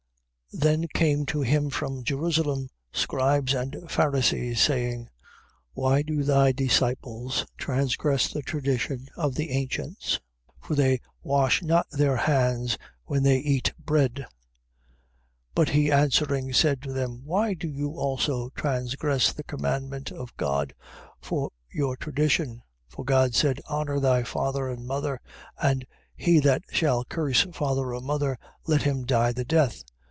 15:1. Then came to him from Jerusalem scribes and Pharisees, saying: 15:2. Why do thy disciples transgress the tradition of the ancients? For they wash not their hands when they eat bread. 15:3. But he answering, said to them: Why do you also transgress the commandment of God for your tradition? For God said: 15:4. Honour thy father and mother: And: He that shall curse father or mother, let him die the death.